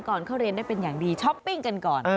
ก่อนเข้าเรียนได้เป็นอย่างดีช้อปปิ้งกันก่อน